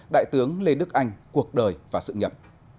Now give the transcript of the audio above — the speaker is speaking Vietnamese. đại tướng lê đức anh cuộc đời và sự nghiệp